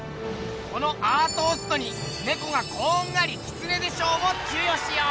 このアートーストに「ネコがこんがりキツネで賞」を授与しよう！